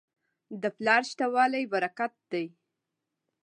د پلار شته والی برکت دی.